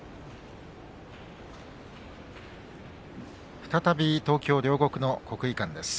再び東京・両国の国技館です。